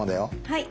はい。